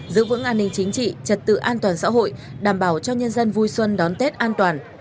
giữ vững an ninh chính trị trật tự an toàn xã hội đảm bảo cho nhân dân vui xuân đón tết an toàn